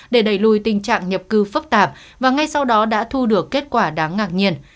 để đẩy lùi tình trạng nhập cư phức tạp và ngay sau đó đã thu được kết quả đáng ngạc nhiên